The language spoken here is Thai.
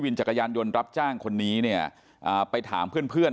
วินจักรยานยนต์รับจ้างคนนี้เนี่ยไปถามเพื่อน